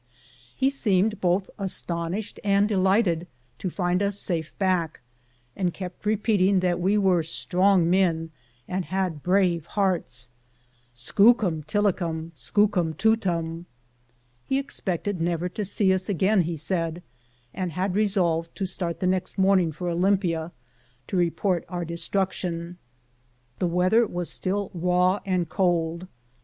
He seemed both astonished and delighted to find us safe back, and kept repeating that we were strong men and had brave nearts :" Skookum tilicum, skookum tumtum/* He expected never to see us again, he said, and had resolved to start the next morn ing for Olympia to report our destruction. The weather was still raw and cold.